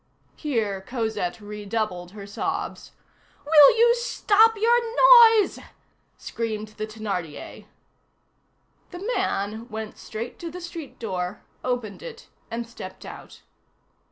Here Cosette redoubled her sobs. "Will you stop your noise?" screamed the Thénardier. The man went straight to the street door, opened it, and stepped out.